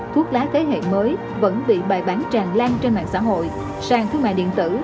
thuốc lá thế hệ mới vẫn bị bài bán tràn lan trên mạng xã hội sàn thương mại điện tử